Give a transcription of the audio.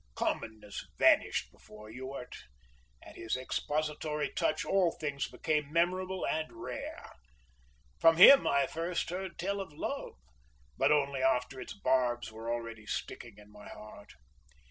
Commonness vanished before Ewart, at his expository touch all things became memorable and rare. From him I first heard tell of love, but only after its barbs were already sticking in my heart.